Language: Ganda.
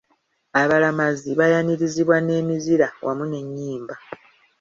Abalamazi baayanirizibwa n'emizira wamu n'ennyimba.